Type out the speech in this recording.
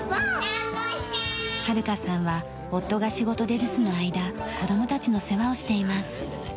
晴香さんは夫が仕事で留守の間子どもたちの世話をしています。